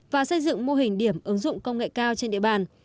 và xây dựng mô hình điểm ứng dụng công nghệ cao trên địa bàn